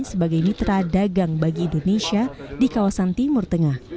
sebagai mitra dagang bagi indonesia di kawasan timur tengah